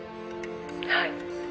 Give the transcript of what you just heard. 「はい」